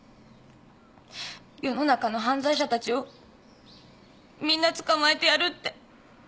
世の中の犯罪者たちをみんな捕まえてやるって。